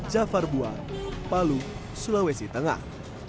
jafar bua palu sulawesi tengah